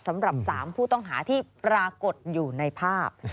สำหรับ๓ผู้ต้องหาที่ปรากฏอยู่ในภาพ